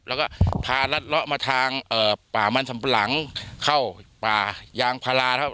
แล้วก็พารัดเลาะมาทางป่ามันสำปะหลังเข้าป่ายางพารานะครับ